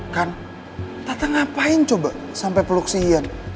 kan tata ngapain coba sampe peluk si ian